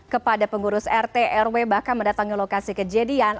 kepada pengurus rt rw bahkan mendatangi lokasi kejadian